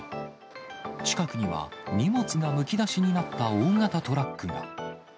近くには、荷物がむき出しになった大型トラックが。